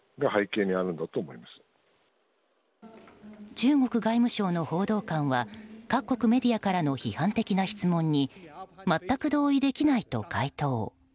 中国外務省の報道官は各国メディアからの批判的な質問に全く同意できないと回答。